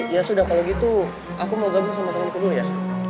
ya sudah kalau gitu aku mau gabung sama temenku dulu ya